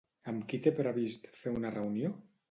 Amb qui té previst fer una reunió?